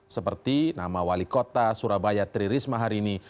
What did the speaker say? seperti nama wali kota surabaya tri risma hari ini